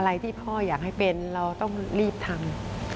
อะไรที่พ่ออยากให้เป็นเราต้องรีบทำ